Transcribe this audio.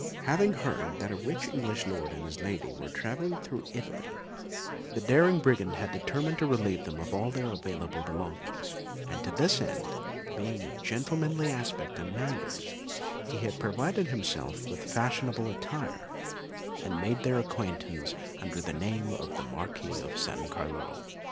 Having heard that a rich English lord and his lady were travelling through Italy, the daring brigand had determined to relieve them of all their available belongings, and to this end, being of gentlemanly aspect and manners, he had provided himself with fashionable attire, and made their acquaintance under the name of the Marquis of San Carlo.